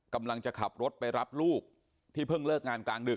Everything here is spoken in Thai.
กำลังจะขับรถไปรับลูกที่เพิ่งเลิกงานกลางดึก